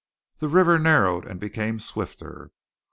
The river narrowed and became swifter.